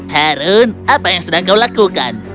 harun apa yang sedang kau lakukan